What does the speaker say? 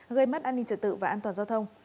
gây mất an ninh trật tự và an toàn giao thông